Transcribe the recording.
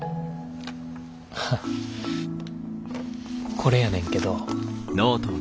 これやねんけど。